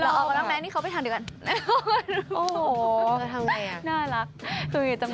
แล้วออกมาแล้วแม้นี่เขาไปทางเดียวกันโอ้โหเธอทำไงอ่ะน่ารัก